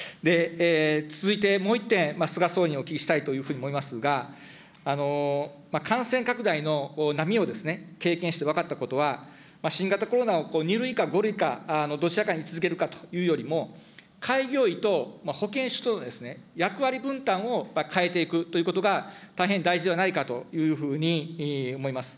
続いてもう１点、菅総理にお聞きしたいというふうに思いますが、感染拡大の波を経験して分かったことは、新型コロナを２類か５類かのどちらかに位置づけるかというよりも、開業医と保健師等の役割分担を変えていくということが大変大事ではないかというふうに思います。